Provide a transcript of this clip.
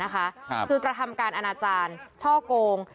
คือกระทำการอนาจารย์ช่อโกง